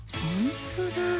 ほんとだ